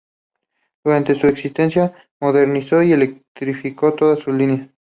Durante su existencia modernizó y electrificó todas sus líneas.